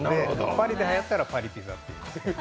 パリではやったらパリピザっていう。